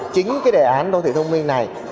chính cái đề án đô thị thông minh này